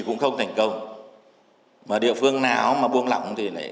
không có vốn